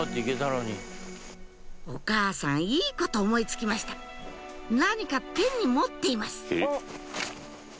お母さんいいこと思い付きました何か手に持っています